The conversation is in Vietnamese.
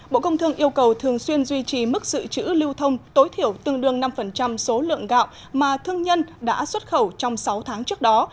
bộ công thương yêu cầu thường xuyên duy trì mức dự trữ lưu thông tối thiểu tương đương năm số lượng gạo mà thương nhân đã xuất khẩu trong sáu tháng trước đó